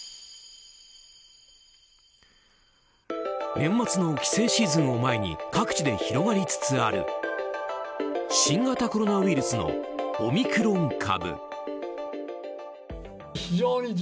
年末の帰省シーズンを前に各地で広がりつつある新型コロナウイルスのオミクロン株。